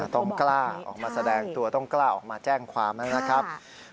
ต้องกล้าออกมาแสดงตัวต้องกล้าออกมาแจ้งความนะครับ